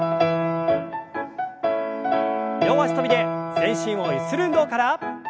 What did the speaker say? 両脚跳びで全身をゆする運動から。